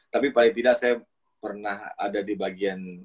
tapi paling tidak saya pernah ada di bagian